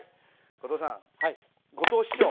後藤さん後藤師匠